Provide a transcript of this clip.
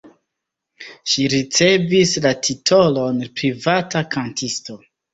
Ŝi ricevis la titolon privata kantisto.